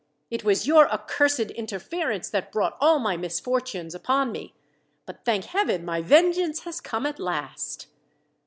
It was your accursed interference that brought all my misfortunes upon me; but thank Heaven my vengeance has come at last!